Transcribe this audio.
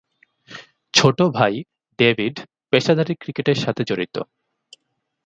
ছোট ভাই ডেভিড পেশাদারী ক্রিকেটের সাথে জড়িত।